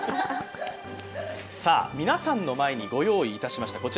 さあ、皆さんの前にご用意いたしました